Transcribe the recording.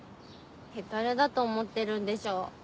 ヘタレだと思ってるんでしょ？